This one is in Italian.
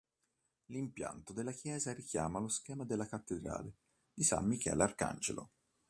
L'impianto della chiesa richiama lo schema della cattedrale di San Michele Arcangelo.